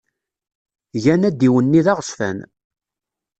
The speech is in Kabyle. Gan adiwenni d aɣezfan.